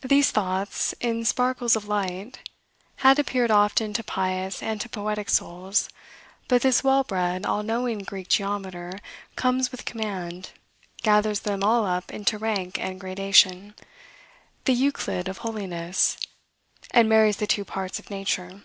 These thoughts, in sparkles of light, had appeared often to pious and to poetic souls; but this well bred, all knowing Greek geometer comes with command, gathers them all up into rank and gradation, the Euclid of holiness, and marries the two parts of nature.